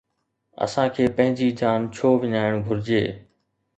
اسان کي پنهنجي جان ڇو وڃائڻ گهرجي؟